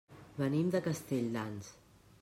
Venim de Castelldans.